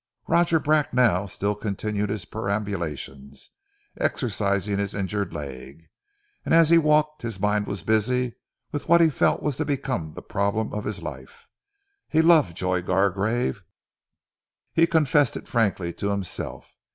Roger Bracknell still continued his perambulations, exercising his injured leg, and as he walked his mind was busy with what he felt was to become the problem of his life. He loved Joy Gargrave. He confessed it frankly to himself.